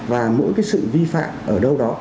và mỗi cái sự vi phạm ở đâu đó